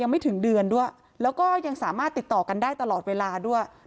ไม่ถึงเดือนด้วยแล้วก็ยังสามารถติดต่อกันได้ตลอดเวลาด้วย